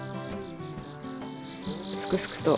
すくすくと。